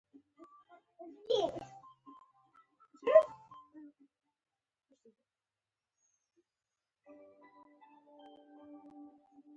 د کټ په اخره برخه کې مې د ریګو پر بوجیو سترګې ولګېدې.